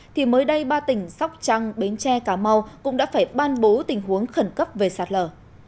thì mới đây ba tỉnh sóc trăng bến tre cà mau cũng đã phải ban bố tình huống khẩn cấp về sạt lở